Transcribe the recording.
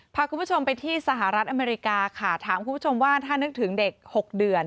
พาคุณผู้ชมไปที่สหรัฐอเมริกาค่ะถามคุณผู้ชมว่าถ้านึกถึงเด็ก๖เดือน